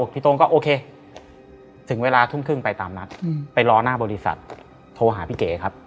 ตรงก็โอเคถึงเวลาทุ่มครึ่งไปตามนัดไปรอหน้าบริษัทโทรหาพี่เก๋ครับ